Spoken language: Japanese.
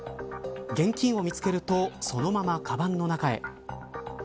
現金を見つけるとそのまま、かばんの中へ。